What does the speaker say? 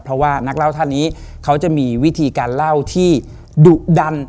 เพราะว่านักเล่าท่านนี้เขาจะมีวิธีการเล่าที่ดุดัน